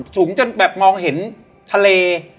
สูงจนแบบมองเห็นทะเล